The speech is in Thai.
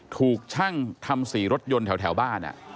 ถูกช่างทำสีรถยนต์แถวบ้าน